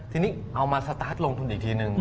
ทีนี้เอามาสตาร์ทลงทุนอีกทีนึง